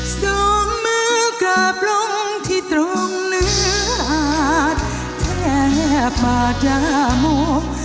สองมือกลับลงที่ตรงเนื้อหาแทบมาจ้ามอง